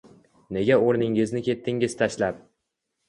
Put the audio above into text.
Nega o’rningizni ketdingiz tashlab?